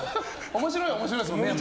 面白いは面白いですもんね。